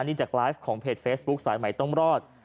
นี่จากไลฟ์ของเพจเฟซบุ๊คสายใหม่ต้องรอด